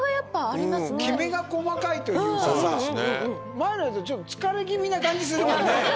前のやつはちょっと疲れ気味な感じするもんね。